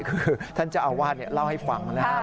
คือท่านเจ้าอาวาสเล่าให้ฟังนะครับ